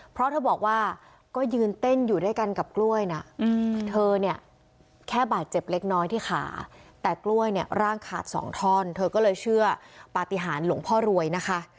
เพราะเธอบอกว่าก็ยืนเต้นอยู่ด้วยกันกับกล้วยนะเธอเนี่ยแค่บาดเจ็บเล็กน้อยที่ขาแต่กล้วยเนี่ยร่างขาดสองท่อนเธอก็เลยเชื่อปฏิหารหลวงพ่อรวยนะคะ